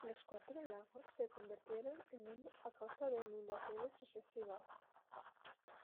Los cuatro lagos se convirtieron en uno a causa de inundaciones sucesivas.